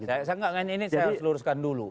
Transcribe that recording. ini saya harus luruskan dulu